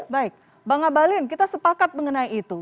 baik bang abalin kita sepakat mengenai itu